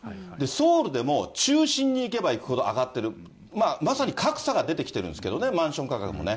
ソウルでも中心に行けば行くほど上がってる、まさに格差が出てきてるんですけどね、マンション価格もね。